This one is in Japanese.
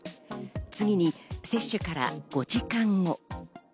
次に接種から５時間後。